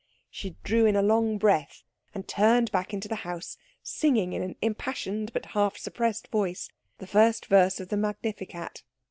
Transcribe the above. She drew in a long breath, and turned back into the house singing in an impassioned but half suppressed voice the first verse of the Magnificat.